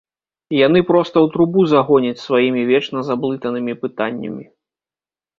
Яны проста ў трубу загоняць сваімі вечна заблытанымі пытаннямі.